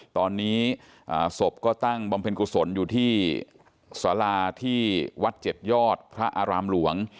ตอนนี้ศพก็ตั้งบำเพ็ญกุศลอยู่ที่สาราที่วัด๗ยอดพระอารามหลวง